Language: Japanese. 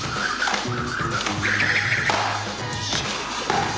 よっしゃ！